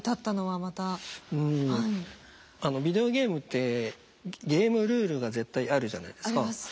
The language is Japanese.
ビデオゲームってゲームルールが絶対あるじゃないですか。あります。